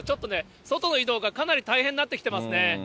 ちょっとね、外の移動がかなり大変になって来てますね。